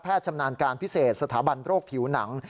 ชำนาญการพิเศษสถาบันโรคผิวหนัง